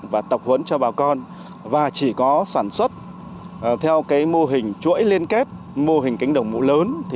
và chỉ có sản xuất theo mô hình chuỗi liên kết mô hình kính đồng mũ lớn